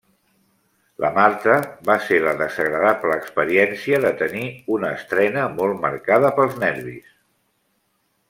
La Marta va ser la desagradable experiència de tenir una estrena molt marcada pels nervis.